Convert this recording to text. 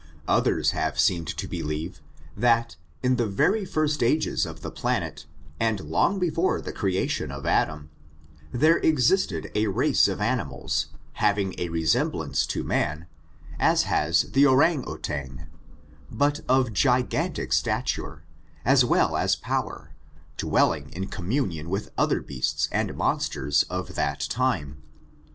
Others have seemed to believe, that, in the very first ages of the planet, and long before the creation of Adam, there existed a race of animals, having a resemblance to man, as has the ourang outang, but of gigantic stature, as well as power, dwelling in communion with other beasts and mon sters of that time.